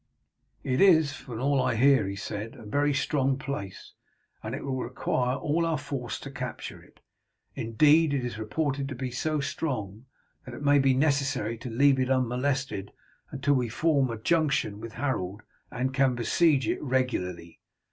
"It is, from all I hear," he said, "a very strong place, and will require all our force to capture it. Indeed it is reported to be so strong that it may be necessary to leave it unmolested until we form a junction with Harold, and can besiege it regularly.